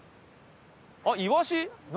あっ「イワシ」何？